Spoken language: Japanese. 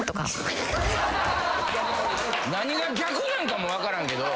何が逆なんかも分からんけど。